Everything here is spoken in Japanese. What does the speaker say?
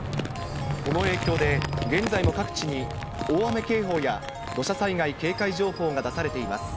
この影響で、現在も各地に大雨警報や土砂災害警戒情報が出されています。